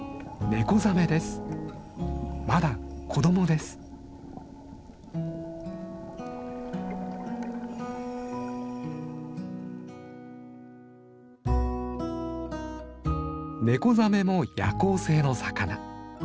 ネコザメも夜行性の魚。